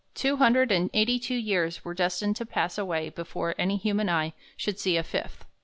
Two hundred and eighty two years were destined to pass away before any human eye should see a fifth.